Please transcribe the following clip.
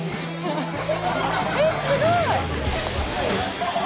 えっすごい！